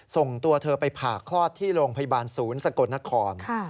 ส่งตัวเธอไปผ่าคลอดที่โรงพยาบาลศูนย์สะกดนคร